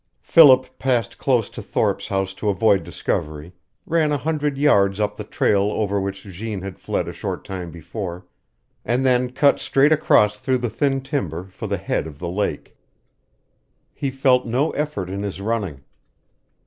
Philip passed close to Thorpe's house to avoid discovery, ran a hundred yards up the trail over which Jeanne had fled a short time before, and then cut straight across through the thin timber for the head of the lake. He felt no effort in his running.